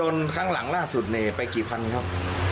โดนครั้งหลังล่าสุดไปกี่พันครับ